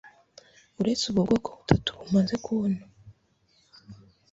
uretse ubwo bwoko butatu tumaze kubona